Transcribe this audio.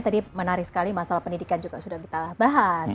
tadi menarik sekali masalah pendidikan juga sudah kita bahas